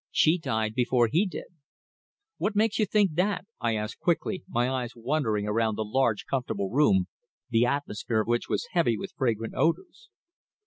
She died before he did." "What makes you think that?" I asked quickly, my eyes wandering around the large, comfortable room, the atmosphere of which was heavy with fragrant odours.